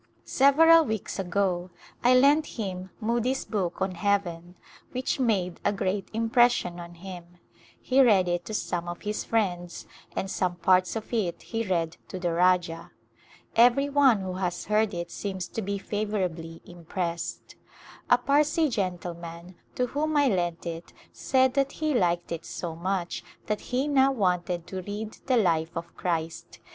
Several weeks ago I lent him Moody's book on " Heaven," which made a great impression on him ; he read it to some of his friends, and some parts of it he read to the Rajah. Every one who has heard it A Glhnpse of India seems to be favorably impressed. A Parsee gentle man to whom I lent it said that he liked it so much that he now wanted to read the Life of Christ.